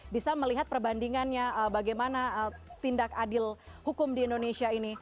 bisa melihat perbandingannya bagaimana tindak adil hukum di indonesia ini